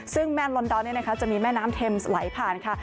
ซึ่งแม่นลอนดอนนี้นะคะจะมีแม่น้ำเทมส์ไหลผ่านค่ะ